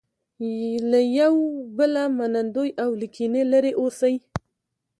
له یو بله منندوی او له کینې لرې اوسي.